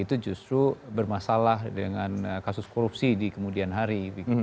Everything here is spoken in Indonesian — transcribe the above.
itu justru bermasalah dengan kasus korupsi di kemudian hari